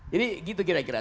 jadi gitu kira kira